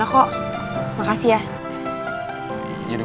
gak ada pusing gitu